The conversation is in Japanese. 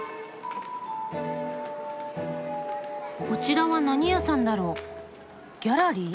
こちらは何屋さんだろう？ギャラリー？